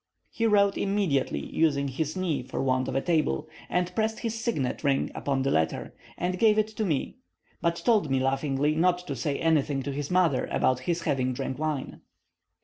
He wrote immediately, using his knee for want of a table, pressed his signet ring upon the letter, and gave it to me; but told me laughingly not to say anything to his mother about his having drank wine.